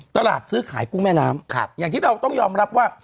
ตลาดซื้อขายกุ้งแม่น้ำอย่างที่เราต้องยอมรับว่า